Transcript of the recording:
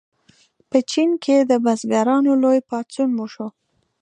په چین کې د بزګرانو لوی پاڅون وشو.